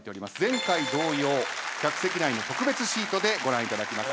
前回同様客席内の特別シートでご覧いただきます。